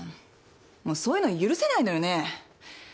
もうそういうの許せないのよね。